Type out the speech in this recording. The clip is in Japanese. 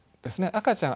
赤ちゃん